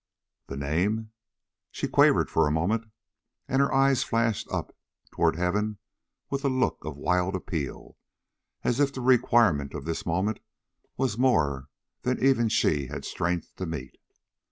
"The name?" She quavered for a moment, and her eyes flashed up toward heaven with a look of wild appeal, as if the requirement of this moment was more than even she had strength to meet.